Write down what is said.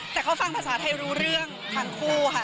แต่เขาฟังภาษาไทยรู้เรื่องทั้งคู่ค่ะ